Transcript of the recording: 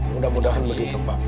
mudah mudahan begitu pak